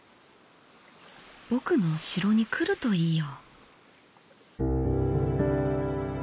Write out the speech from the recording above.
僕の城に来るといいよ」。